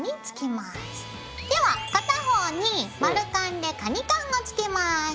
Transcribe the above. では片方に丸カンでカニカンをつけます。